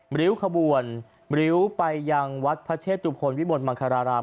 ริ้วขบวนริ้วไปยังวัดพระเชตุพลวิบลมังคาราราม